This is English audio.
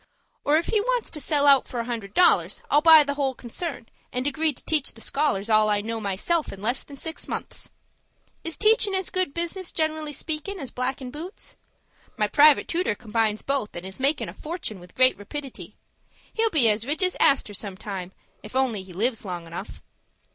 Or, if he wants to sell out for a hundred dollars, I'll buy the whole concern, and agree to teach the scholars all I know myself in less than six months. Is teachin' as good business, generally speakin', as blackin' boots? My private tooter combines both, and is makin' a fortun' with great rapidity. He'll be as rich as Astor some time, _if he only lives long enough.